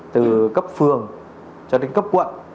từ cấp phường cho đến cấp quận